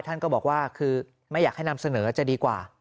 ท่านก็บอกว่าคือไม่อยากให้นำเสนอจะดีกว่า